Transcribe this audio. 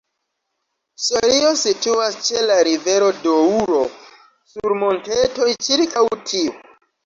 Sorio situas ĉe la rivero Doŭro sur montetoj ĉirkaŭ tiu.